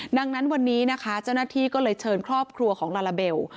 ดังนั้นวันนี้นะคะเจ้าหน้าที่ก็เลยเชิญครอบครัวของลาลาเบล